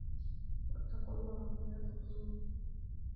وَاتَّقُوا اللَّهَ وَلَا تُخْزُونِ